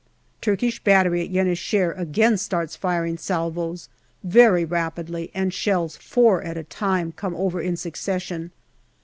Turkish battery at Yen i Shehr again starts firing salvos, very rapidly, and shells, four at a time, come over in succes 192 GALLIPOLI DIARY sion.